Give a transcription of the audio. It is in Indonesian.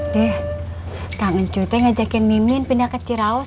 dih kangen cuy teh ngajakin mimin pindah ke ciraos